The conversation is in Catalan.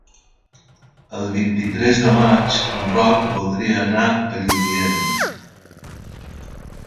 El vint-i-tres de maig en Roc voldria anar a Lludient.